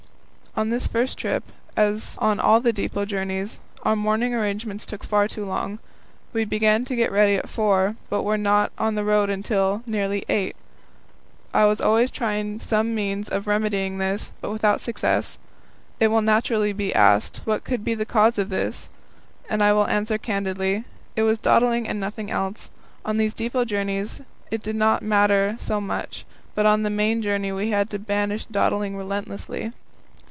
On this first trip, as on all the depot journeys, our morning arrangements took far too long. We began to get ready at four, but were not on the road till nearly eight. I was always trying some means of remedying this, but without success. It will naturally be asked, What could be the cause of this? and I will answer candidly it was dawdling and nothing else. On these depot journeys it did not matter so much, but on the main journey we had to banish dawdling relentlessly.